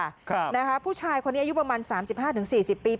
ค่ะนะคะผู้ชายคนนี้อายุประมาณ๓๕๔๐ปี